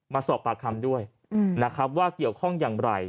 มาสอบปากคำด้วยนะครับว่าเกี่ยวข้องอย่างไร